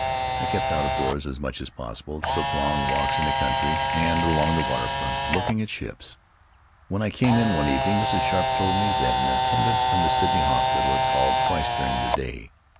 I kept out of doors as much as possible, took long walks in the country and along the waterfront looking at ships. When I came in one evening Mrs. Sharpe told me that an attendant from the Sydney hospital had called twice during the day.